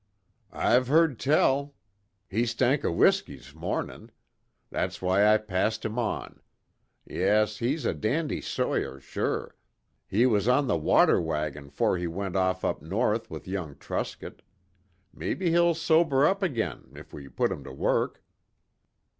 "I've heard tell. He stank o' whiskey's mornin'. That's why I passed him on. Yes, he's a dandy sawyer, sure. He was on the 'water wagon' 'fore he went off up north with young Truscott. Mebbe he'll sober up agin if we put him to work."